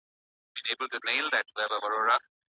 ولي محنتي ځوان د لایق کس په پرتله ډېر مخکي ځي؟